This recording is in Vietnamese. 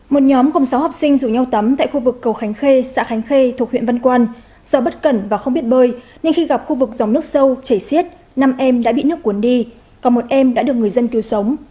một nhóm gồm sáu học sinh rủ nhau tắm tại khu vực cầu khánh khê xã khánh khê thuộc huyện văn quan do bất cẩn và không biết bơi nên khi gặp khu vực dòng nước sâu chảy xiết năm em đã bị nước cuốn đi còn một em đã được người dân cứu sống